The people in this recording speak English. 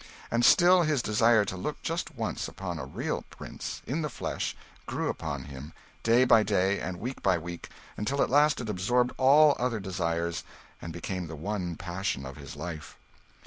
And still his desire to look just once upon a real prince, in the flesh, grew upon him, day by day, and week by week, until at last it absorbed all other desires, and became the one passion of his life.